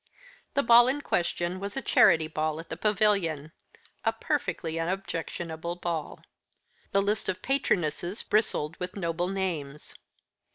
The ball in question was a charity ball at the Pavilion, a perfectly unobjectionable ball. The list of patronesses bristled with noble names.